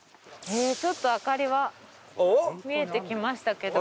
ちょっと明かりは見えてきましたけど。